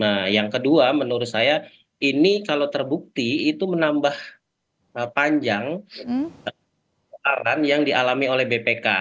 nah yang kedua menurut saya ini kalau terbukti itu menambah panjang arahan yang dialami oleh bpk